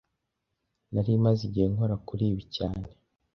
Nari maze igihe nkora kuri ibi cyane